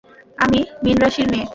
আমি মীনরাশির মেয়ে।